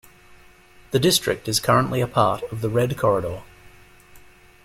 The district is currently a part of the Red Corridor.